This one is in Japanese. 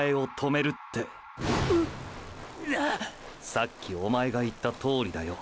さっきおまえが言ったとおりだよ。